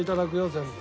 全部。